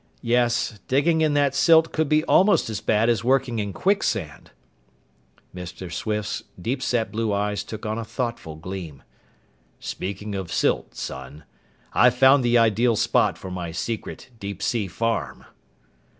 "Yes. Digging in that silt could be almost as bad as working in quicksand." Mr. Swift's deep set blue eyes took on a thoughtful gleam. "Speaking of silt, son, I've found the ideal spot for my secret deep sea farm."